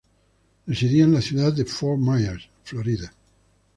Residía en la ciudad de Fort Myers, Florida.